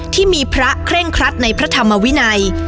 ที่มีพระเคร่งครัดในพระธรรมวินัย